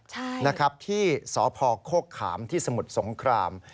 ใช่ที่สพโคกขามที่สมุทรสงคราม